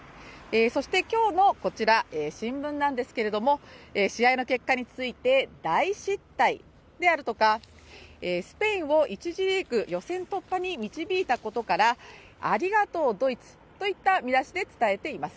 そして今日のこちら、新聞なんですけれども、試合の結果について、大失態であるとか、スペインを１次リーグ予選突破に導いたことから「ありがとうドイツ」といった見出しで伝えています。